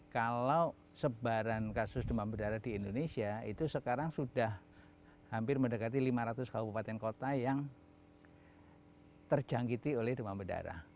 kalau sebaran kasus demam berdarah di indonesia itu sekarang sudah hampir mendekati lima ratus kabupaten kota yang terjangkiti oleh demam berdarah